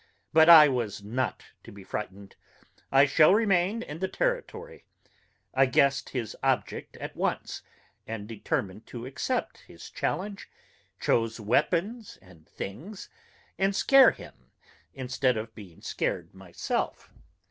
But I was not to be frightened; I shall remain in the Territory. I guessed his object at once, and determined to accept his challenge, choose weapons and things, and scare him, instead of being scared myself.